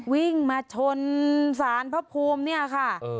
วิ่งมาชนสารพระภูมิเนี่ยค่ะ